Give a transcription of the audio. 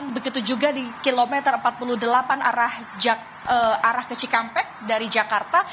begitu juga di kilometer empat puluh delapan arah ke cikampek dari jakarta